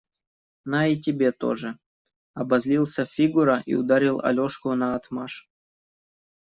– На и тебе тоже! – обозлился Фигура и ударил Алешку наотмашь.